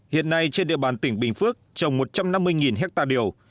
hiện nay trên địa bàn tỉnh bình phước trồng một trăm năm mươi hectare điều